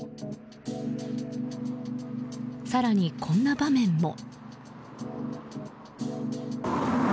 更に、こんな場面も。